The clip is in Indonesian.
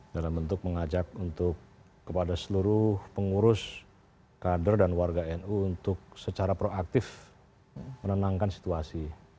dalam bentuk mengajak untuk kepada seluruh pengurus kader dan warga nu untuk secara proaktif menenangkan situasi